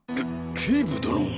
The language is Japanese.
警部殿！？